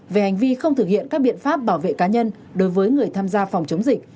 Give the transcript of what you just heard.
về hành vi không thực hiện các biện pháp bảo vệ cá nhân đối với người tham gia phòng chống dịch